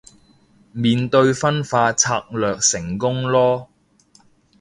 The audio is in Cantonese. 對面分化策略成功囉